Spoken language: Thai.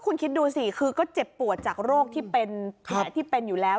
คุณคิดดูสิคือก็เจ็บปวดจากโรคที่เป็นแผลที่เป็นอยู่แล้ว